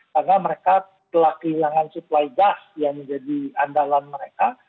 karena mereka telah kehilangan suplai gas yang menjadi andalan mereka